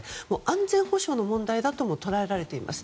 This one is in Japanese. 安全保障の問題だとも捉えられています。